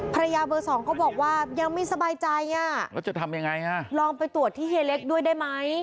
ภรรยาเบอร์สองก็บอกว่ายังไม่สบายใจอ่ะแล้วจะทำยังไงอ่ะลองไปตรวจที่เฮียเล็กด้วยได้ไหม